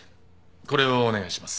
これをお願いします。